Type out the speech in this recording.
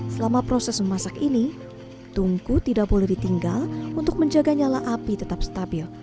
selama proses memasak ini tungku tidak boleh ditinggal untuk menjaga nyala api tetap stabil